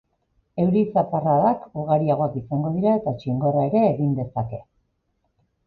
Euri-zaparradak ugariagoak izango dira eta txingorra ere egin dezake.